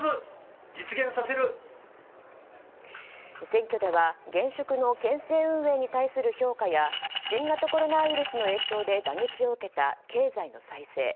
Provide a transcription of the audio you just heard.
選挙では現職の県政運営に対する評価や新型コロナウイルスの影響で打撃を受けた経済の再生